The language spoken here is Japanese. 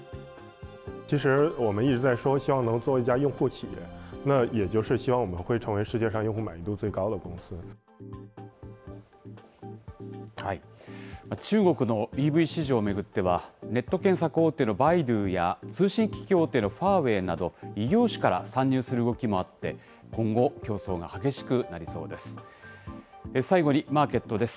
中国のＥＶ市場を巡っては、ネット検索大手のバイドゥや、通信機器大手のファーウェイなど、異業種から参入する動きもあって、今後、競争が激しくなりそうです。